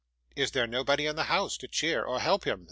'Is there nobody in the house to cheer or help him?